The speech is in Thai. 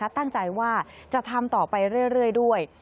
ตั้งใจว่าจะทำต่อไปเรื่อยด้วย